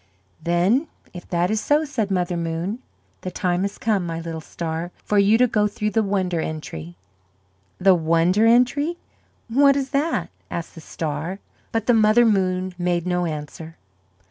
"Then if that is so," said Mother Moon, "the time has come, my little star, for you to go through the Wonder Entry." "The Wonder Entry? What is that?" asked the star. But the Mother Moon made no answer.